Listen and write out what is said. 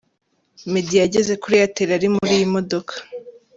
Meddy yageze kuri Airtel ari muri iyi modoka.